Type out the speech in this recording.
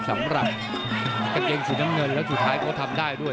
สำหรับกางเกงสีน้ำเงินแล้วสุดท้ายเขาทำได้ด้วย